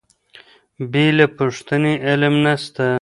بې له پوښتنې علم نسته.